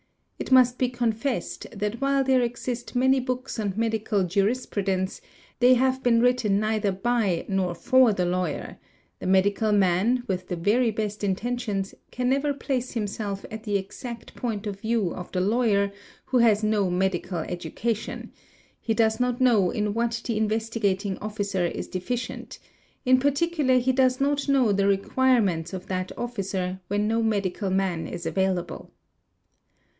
It must be confessed that while there exist many books on medical jurisprudence, they have been written neither by nor for the lawyer; the medical man, with the very best intentions, can _ never place himself at the exact point of view of the lawyer who has no medical education ; he does not know in what the Investigating Officer ' is deficient; in particular he does not know the requirements of that officer when no medical man is available.